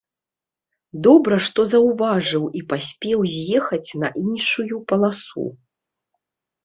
Добра, што заўважыў і паспеў з'ехаць на іншую паласу.